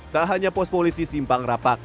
tak hanya pos polisi simpang rapak